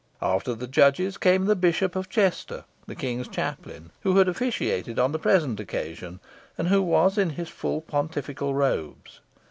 After the judges came the Bishop of Chester, the King's chaplain, who had officiated on the present occasion, and who was in his full pontifical robes.